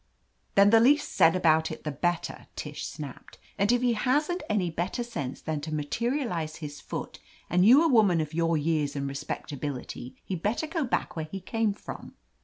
"Then the least said about it the better f^ Tish snapped. "If he hasn't any better sense than to materialize his foot, and you a woman of your years and respectability, he'd better go back where he came from."